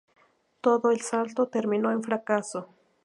Todo el asalto terminó en fracaso.